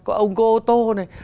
có ông có ô tô này